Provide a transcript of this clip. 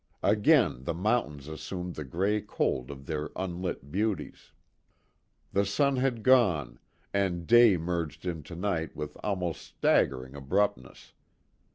Again the mountains assumed the gray cold of their unlit beauties. The sun had gone, and day merged into night with almost staggering abruptness.